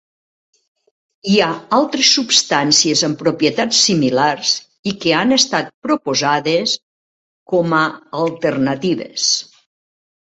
Hi ha altres substàncies amb propietats similars i que han estat proposades com a alternatives.